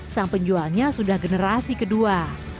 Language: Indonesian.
sang penjualnya sudah generasi kedua